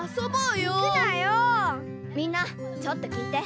みんなちょっと聞いて。